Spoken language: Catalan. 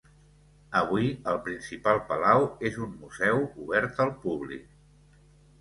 Avui el principal palau és un museu obert al públic.